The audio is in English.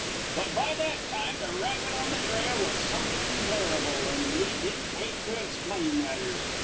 "But by that time the racket on the trail was something terrible, and we didn't wait to explain matters.